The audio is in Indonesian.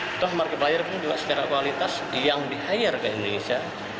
contoh marqueplier pun juga secara kualitas yang di hire ke indonesia